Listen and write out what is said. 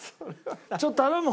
ちょっと頼む！